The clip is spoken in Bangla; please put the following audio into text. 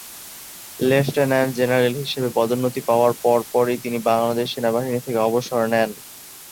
লেফটেন্যান্ট জেনারেল হিসেবে পদোন্নতি হওয়ার পর পরই, তিনি বাংলাদেশ সেনাবাহিনী থেকে অবসর নেন।